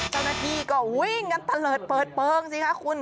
เจ้าหน้าที่ก็วิ่งกันตะเลิศเปิดเปลืองสิคะคุณ